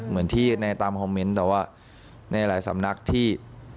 เหมือนที่ในตามคอมเมนต์แต่ว่าในหลายสำนักที่